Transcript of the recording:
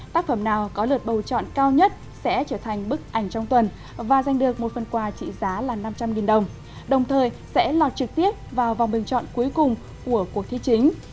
tác phẩm nào có lượt bầu chọn cao nhất sẽ trở thành bức ảnh trong tuần và giành được một phần quà trị giá là năm trăm linh đồng đồng thời sẽ lọt trực tiếp vào vòng bình chọn cuối cùng của cuộc thi chính